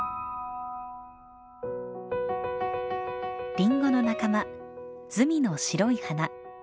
リンゴの仲間ズミの白い花。